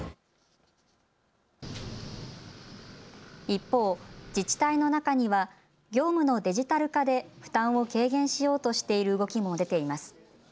一方、自治体の中には業務のデジタル化で負担を軽減しようとしている動きも出ています。